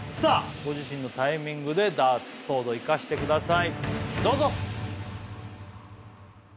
ご自身のタイミングでダーツソード生かしてください